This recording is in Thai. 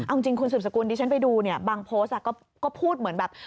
เอาจริงคุณสืบสกุลดิฉันไปดูเนี่ยบางโพสต์ก็พูดเหมือนแบบ